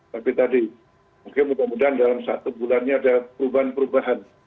tapi tadi mungkin mudah mudahan dalam satu bulannya ada perubahan perubahan